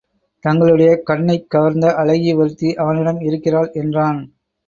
தங்களுடைய கண்ணைக் கவர்ந்த அழகி ஒருத்தி அவனிடம் இருக்கிறாள் என்றான்.